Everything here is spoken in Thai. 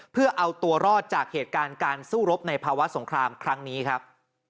เพื่อเอาตัวรอดจากเหตุการณ์การสู้รบในภาวะสงครามครั้งนี้ครับ